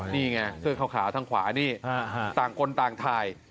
นี่ไงทางเขาขาทางขวานี่ต่างคนต่างทาย